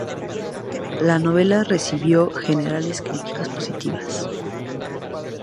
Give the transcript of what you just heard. La novela recibió generales críticas positivas.